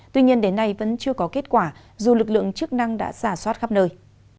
tuy nhiên đến nay vẫn chưa có kết quả dù lực lượng chức năng đã giả soát khắp nơi